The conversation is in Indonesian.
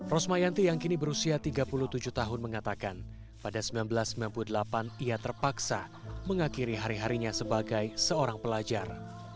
rosmayanti yang kini berusia tiga puluh tujuh tahun mengatakan pada seribu sembilan ratus sembilan puluh delapan ia terpaksa mengakhiri hari harinya sebagai seorang pelajar